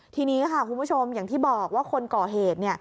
ทีนี้ค่ะคุณผู้ชมอย่างที่บอกว่าคนก่อเหตุ